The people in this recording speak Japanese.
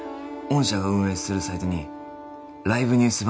御社が運営するサイトにライブニュース